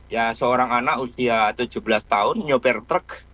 ya seorang anak usia tujuh belas tahun nyopir truk